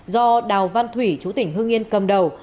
do đào văn thủy chú tỉnh hương yên cầm đầu